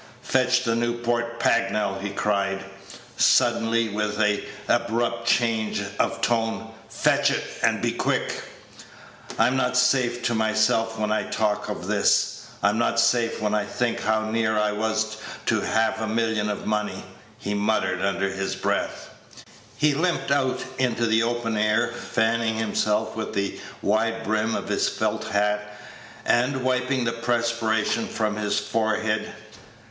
Fetch the Newport Pagnell," he cried, suddenly, with an abrupt change of tone; "fetch it, and be quick. I'm not safe to myself when I talk of this. I'm not safe when I think how near I was to half a million of money," he muttered under his breath. He limped out into the open air, fanning himself with the wide brim of his felt hat, and wiping the perspiration from his forehead.